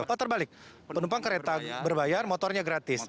oh terbalik penumpang kereta berbayar motornya gratis